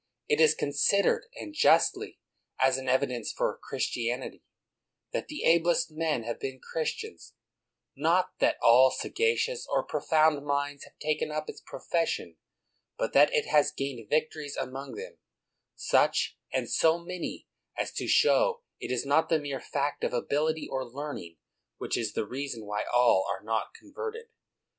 It is considered, and justly, as an evidence for Christianity, that the ablest men have been Christians; not that all sagacious or profound minds have taken up its profession, but that it has gained \'ictories among them, such and so many, as to show that it is not the mere fact of ability or learning which is the reason why all are not converted.